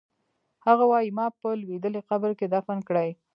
هغه وایی ما په لوېدلي قبر کې دفن کړئ